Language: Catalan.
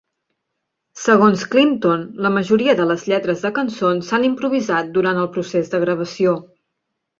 Segons Clinton, la majoria de les lletres de cançons s'han improvisat durant el procés de gravació.